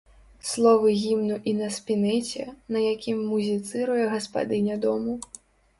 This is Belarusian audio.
Словы гімну і на спінэце, на якім музіцыруе гаспадыня дому.